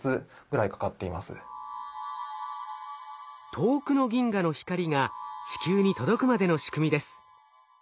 遠くの銀河の光が地球に届くまでの仕組みです。